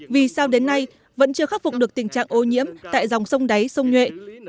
vì sao đến nay vẫn chưa khắc phục được tình trạng ô nhiễm tại dòng sông đáy sông nhuệ